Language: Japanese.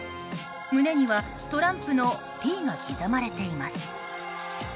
胸にはトランプのＴが刻まれています。